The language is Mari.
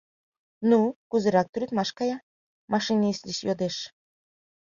— Ну, кузерак тӱредмаш кая? — машинист деч йодеш.